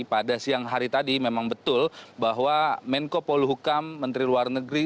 pada siang hari tadi memang betul bahwa menko poluhukam menteri luar negeri